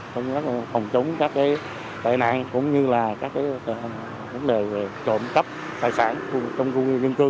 phòng chống các tài nạn cũng như là các vấn đề trộm cấp tài sản trong khu dân cư